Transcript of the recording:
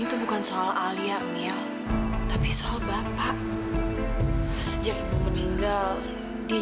emang ada masalah tiga lagi